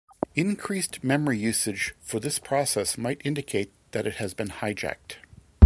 Increased memory usage for this process might indicate that it has been "hijacked".